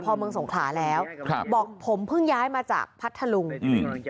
พอเมืองสงขลาแล้วครับบอกผมเพิ่งย้ายมาจากพัทธลุงอืม